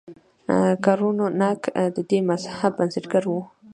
ګورو نانک د دې مذهب بنسټګر و.